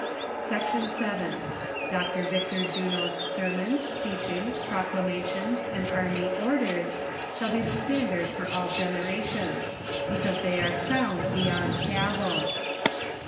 Section YII. Dr. Victor Juno's sermons, teachings, proclamations and army orders shall be the standard for all generations ; because they are sound beyond cavil.